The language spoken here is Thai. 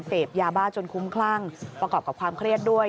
เสพยาบ้าจนคุ้มคลั่งประกอบกับความเครียดด้วย